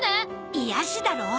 「癒やし」だろ？